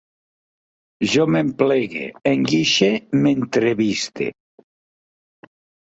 Jo m'empelegue, enguixe, m'entreviste